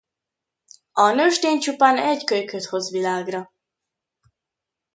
A nőstény csupán egy kölyköt hozz világra.